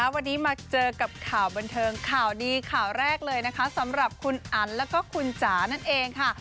วันนี้มาเจอกับข่าวบันเทิงข่าวดีข่าวแรกเลยนะคะสำหรับคุณอันแล้วก็คุณจ๋านั่นเองค่ะ